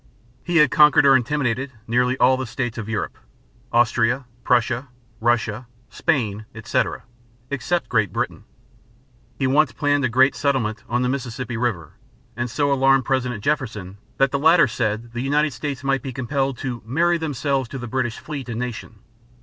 He had conquered or intimidated nearly all the states of Europe Austria, Prussia, Russia, Spain, etc. except Great Britain. He once planned a great settlement on the Mississippi River, and so alarmed President Jefferson that the latter said the United States might be compelled to "marry themselves to the British fleet and nation."